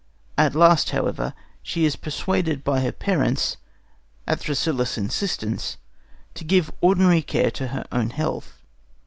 At last, however, she is persuaded by her parents, at Thrasyllus's instance, to give ordinary care to her own health.